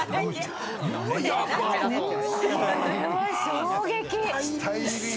衝撃！